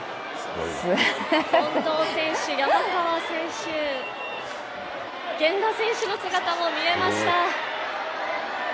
近藤選手、山川選手、源田選手の姿も見えました。